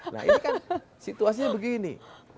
nah ini kan situasinya begini